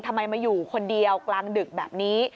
ทำไมมาอยู่คนเดียวกลางดึกแบบนี้